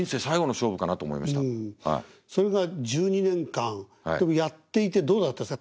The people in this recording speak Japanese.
それが１２年間やっていてどうだったですか？